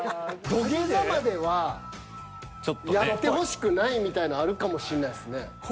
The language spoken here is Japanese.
土下座まではやってほしくないみたいなのあるかもしんないっすね。